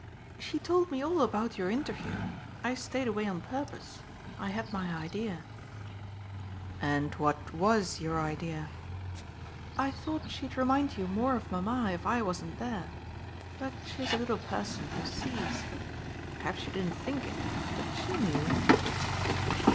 "She told me all about your interview. I stayed away on purpose I had my idea." "And what WAS your idea?" "I thought she'd remind you more of mamma if I wasn't there. But she's a little person who sees. Perhaps you didn't think it, but she knew."